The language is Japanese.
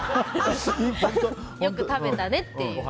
よく食べたねっていう。